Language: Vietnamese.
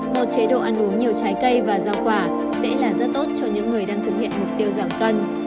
một chế độ ăn uống nhiều trái cây và rau quả sẽ là rất tốt cho những người đang thực hiện mục tiêu giảm cân